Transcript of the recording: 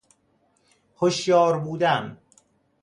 هشیار بودن